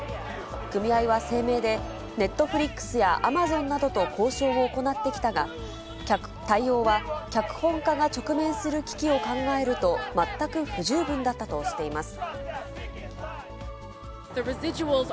組合は声明で、ネットフリックスやアマゾンなどと交渉を行ってきたが、対応は脚本家が直面する危機を考えると全く不十分だったとしています。